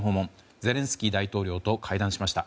ゼレンスキー大統領と会談しました。